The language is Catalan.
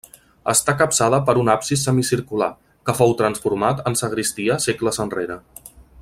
Està capçada per un absis semicircular, que fou transformat en sagristia segles enrere.